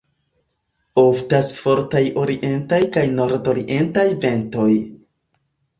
Oftas fortaj orientaj kaj nordorientaj ventoj.